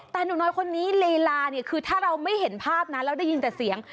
แต่หนูน้อยคนนี้เลลาคือถ้าเราไม่เห็นภาพนั้นแล้วได้ยินแต่เสียง